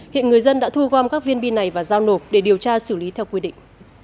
hiện người dân đã thu gom các viên bi này và giao nộp để điều tra xử lý theo quy định